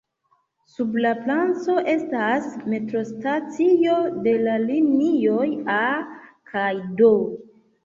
Sub la placo estas metrostacio de la linioj "A" kaj "D".